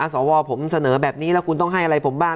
สวผมเสนอแบบนี้แล้วคุณต้องให้อะไรผมบ้าง